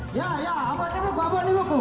ya ya apa ini buku apa ini buku